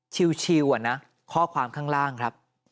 ชิวนะข้อความข้างล่างครับ